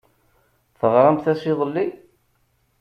Teɣramt-as iḍelli?